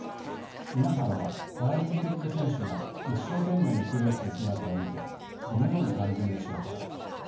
皆さんはパラリンピック選手が一生懸命にプレーする姿を見てどのように感じるでしょうか？